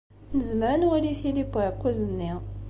Nezmer ad nwali tili n uɛekkaz-nni.